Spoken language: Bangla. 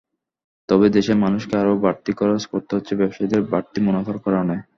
তবে দেশের মানুষকে আরও বাড়তি খরচ করতে হচ্ছে ব্যবসায়ীদের বাড়তি মুনাফার কারণে।